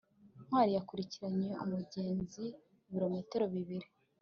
ntwali yakurikiranye umugezi ibirometero bibiri